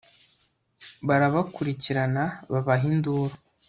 barabakurikirana, babaha induru